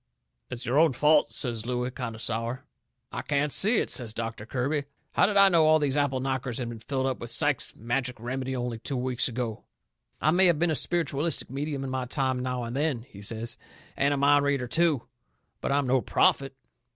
"It's your own fault," says Looey, kind o' sour. "I can't see it," says Doctor Kirby. "How did I know that all these apple knockers had been filled up with Sykes's Magic Remedy only two weeks ago? I may have been a spiritualistic medium in my time now and then," he says, "and a mind reader, too, but I'm no prophet."